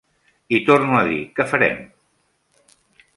I torno a dir: què farem?